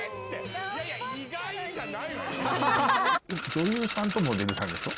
女優さんとモデルさんでしょ？